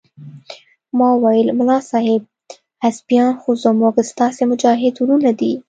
ما وويل ملا صاحب حزبيان خو زموږ ستاسې مجاهد ورونه دي.